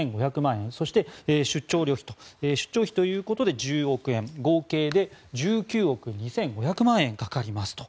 そして、出張費旅費ということで１０億円合計で１９億２５００万円かかりますと。